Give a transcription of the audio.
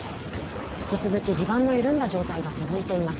引き続き地盤の緩んだ状態が続いています。